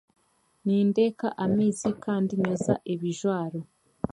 Ninteeka amaizi kandi nyaza ebijwaro